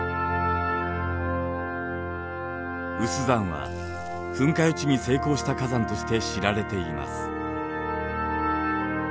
有珠山は噴火予知に成功した火山として知られています。